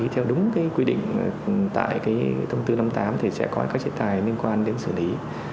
theo đúng quy định tại thông tư năm mươi tám thì sẽ có các chế tài liên quan đến xử lý